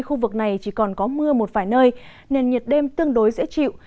khu vực này chỉ còn có mưa một vài nơi nền nhiệt đêm tương đối dễ chịu